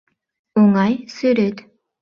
Оҥай сӱрет!